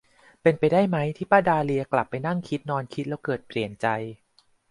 เป็นไปได้ไหมที่ป้าดาเลียกลับไปนั่งคิดนอนคิดแล้วเกิดเปลี่ยนใจ ?